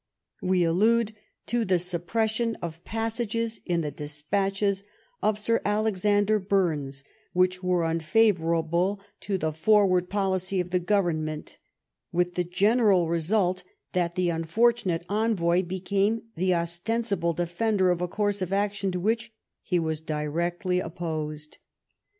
We allude to^the suppression of pas sages in the despatches of Sir Alexander Burnes which were unfavourable to the forward policy of the Govern ment, with the general result that the unfortunate envoy became the ostensible defender of a course of action to which he was directly opposed.